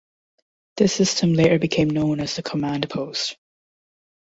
This system later became known as the Command Post.